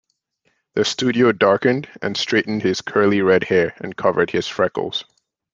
The studio darkened and straightened his curly red hair and covered his freckles.